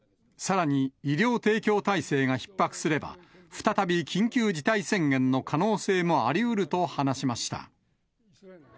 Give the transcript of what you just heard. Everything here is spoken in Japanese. さらに、医療提供体制がひっ迫すれば、再び緊急事態宣言の可能性もありうると話しました。